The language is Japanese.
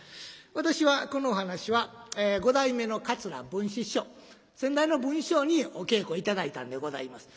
私はこのお噺は五代目の桂文枝師匠先代の文枝師匠にお稽古頂いたんでございます。